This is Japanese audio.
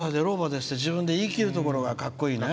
７３歳の老婆って自分で言い切るところがかっこいいね。